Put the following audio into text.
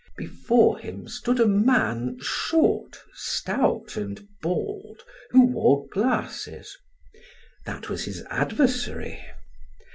Before him stood a man, short, stout, and bald, who wore glasses. That was his adversary.